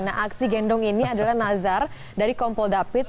nah aksi gendong ini adalah nazar dari kompol david